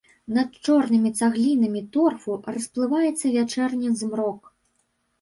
Над чорнымі цаглінамі торфу расплываецца вячэрні змрок.